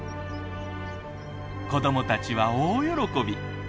子どもたちは大喜び。